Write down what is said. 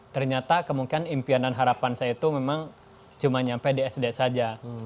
ternyata kemungkinan impian dan harapan saya itu memang cuma nyampe di sd saja